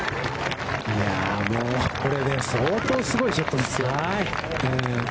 いやあ、これも相当すごいショットですよ。